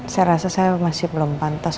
saya rasa saya masih belum pantas